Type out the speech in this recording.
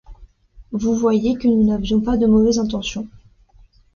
Vous voyez que nous n’avions pas de mauvaises intentions.